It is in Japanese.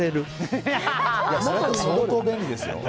相当、便利ですよ。